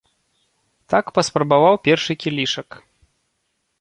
Так паспрабаваў першы кілішак.